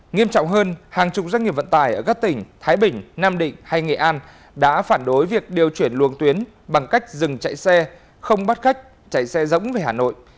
nghiêm trọng hơn hàng chục doanh nghiệp vận tải ở các tỉnh thái bình nam định hay nghệ an đã phản đối việc điều chuyển luồng tuyến bằng cách dừng chạy xe không bắt khách chạy xe rỗng về hà nội